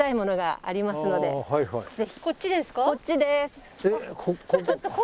こっちです。